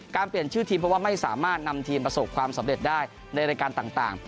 เปลี่ยนชื่อทีมเพราะว่าไม่สามารถนำทีมประสบความสำเร็จได้ในรายการต่าง